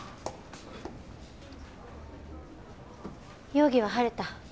容疑は晴れた？